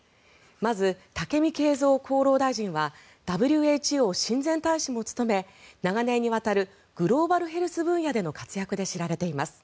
まず、武見敬三厚労大臣はＷＨＯ親善大使も務め長年にわたるグローバルヘルス分野での活躍で知られています。